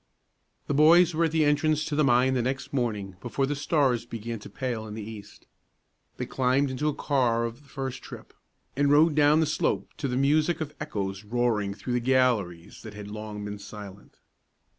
The boys were at the entrance to the mine the next morning before the stars began to pale in the east. They climbed into a car of the first trip, and rode down the slope to the music of echoes roaring through galleries that had long been silent.